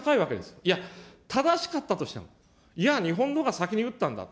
いや、正しかったとしても、いや、日本のほうが先に撃ったんだと。